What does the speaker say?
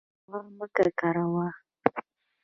هوا مه ککړوه.